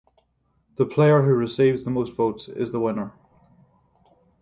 The player who receives the most votes is the winner.